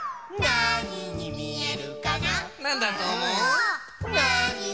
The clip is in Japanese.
なににみえるかな